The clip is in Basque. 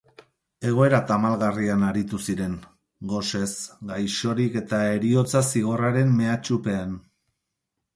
Egoera tamalgarrian aritu ziren, gosez, gaixorik eta heriotza zigorraren mehatxupean.